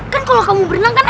kan kalau kamu berenang kan